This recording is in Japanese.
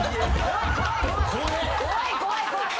怖い怖い怖い。